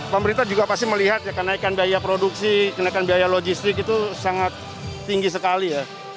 pemerintah juga pasti melihat ya kenaikan biaya produksi kenaikan biaya logistik itu sangat tinggi sekali ya